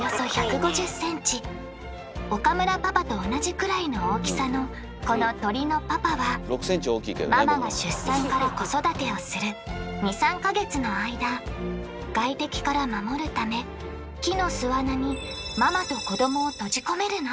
岡村パパと同じくらいの大きさのこの鳥のパパはママが出産から子育てをする２３か月の間外敵から守るため木の巣穴にママと子どもを閉じ込めるのおおっ。